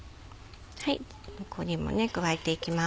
残りも加えていきます。